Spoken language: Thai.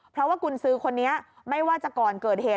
เพราะว่ากุญสือคนนี้ไม่ว่าจะก่อนเกิดเหตุ